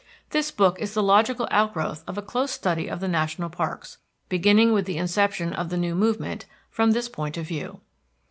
This book is the logical outgrowth of a close study of the national parks, beginning with the inception of the new movement, from this point of view.